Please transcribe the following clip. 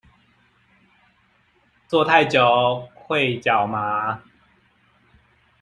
坐太久會腳麻